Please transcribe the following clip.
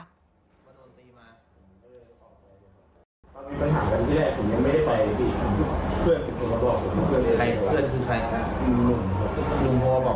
พอมีปัญหาการที่แรกผมยังไม่ได้ไป